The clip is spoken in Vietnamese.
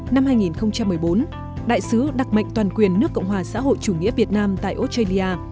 năm hai nghìn một mươi bốn đại sứ đặc mệnh toàn quyền nước cộng hòa xã hội chủ nghĩa việt nam tại australia